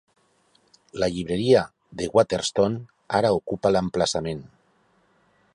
La llibreria de Waterstone ara ocupa l"emplaçament.